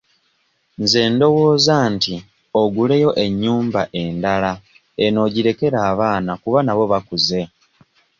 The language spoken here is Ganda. Nze ndowooza nti oguleyo ennyumba endala eno ogirekere abaana kuba nabo bakuze.